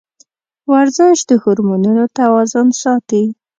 ورزش د هورمونونو توازن ساتي.